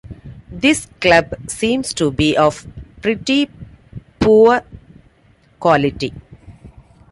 This club seems to be of pretty poor quality.